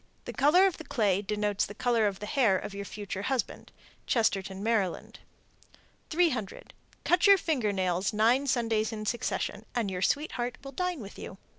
The color of the clay denotes the color of the hair of your future husband. Chestertown, Md. 300. Cut your finger nails nine Sundays in succession, and your sweetheart will dine with you.